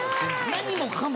何もかも。